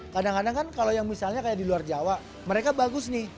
kadang kadang kan kalau yang misalnya kayak di luar jawa mereka bagus nih